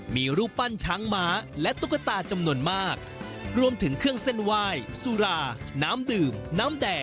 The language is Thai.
มีรูปนจังชองมะ